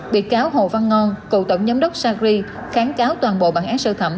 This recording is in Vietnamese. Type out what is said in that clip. bị cáo hồ văn ngon cựu tổng giám đốc sacri kháng cáo toàn bộ bản án sơ thẩm